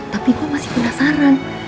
tapi gua masih penasaran